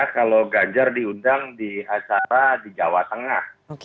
kalau ganjar diundang di acara di jawa tengah